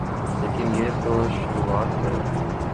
لیکن یہ تو شروعات ہے۔